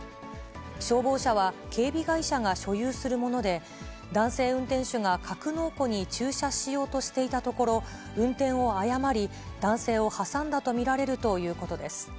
消防車は警備会社が所有するもので、男性運転手が格納庫に駐車しようとしていたところ、運転を誤り、男性を挟んだと見られるということです。